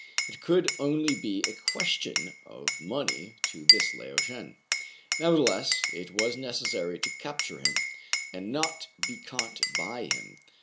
It could only be a question of money to this Lao Shen. Nevertheless it was necessary to capture him, and not be caught by him.